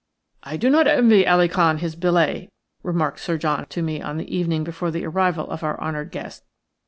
"I do not envy Ali Khan his billet," remarked Sir John to me on the evening before the arrival of our honoured guest.